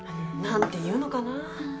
・何ていうのかな。